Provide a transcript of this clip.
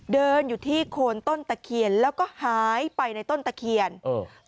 เดินอยู่ที่โคนต้นตะเคียนแล้วก็หายไปในต้นตะเคียนเออ